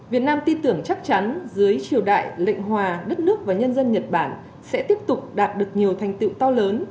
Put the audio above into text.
việt nam tin tưởng chắc chắn dưới triều đại lệnh hòa đất nước và nhân dân nhật bản sẽ tiếp tục đạt được nhiều thành tựu to lớn